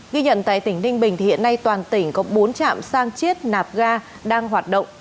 ghi nhận tại tỉnh ninh bình thì hiện nay toàn tỉnh có bốn trạm sang chiết nạp ga đang hoạt động